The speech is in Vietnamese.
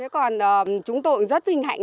còn chúng tôi cũng rất vinh hạnh